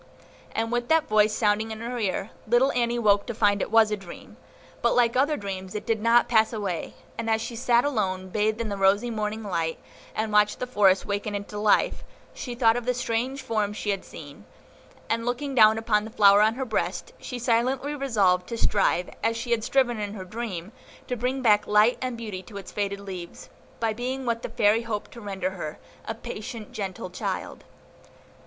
And with that voice sounding in her ear, little Annie woke to find it was a dream; but like other dreams it did not pass away; and as she sat alone, bathed in the rosy morning light, and watched the forest waken into life, she thought of the strange forms she had seen, and, looking down upon the flower on her breast, she silently resolved to strive, as she had striven in her dream, to bring back light and beauty to its faded leaves, by being what the Fairy hoped to render her, a patient, gentle little child.